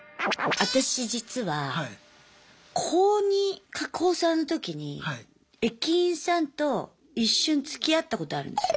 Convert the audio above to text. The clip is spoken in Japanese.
私実は高２か高３の時に駅員さんと一瞬つきあったことあるんですよ。